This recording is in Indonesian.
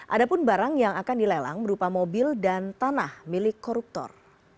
ada pun barang yang akan dilelang berupa mobil dan tanah milik koruptor